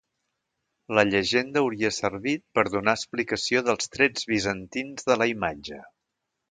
La llegenda hauria servit per donar explicació dels trets bizantins de la imatge.